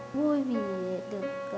vui vì được